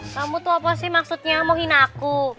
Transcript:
kamu tuh apa sih maksudnya mau hina aku